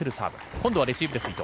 今度はレシーブです、伊藤。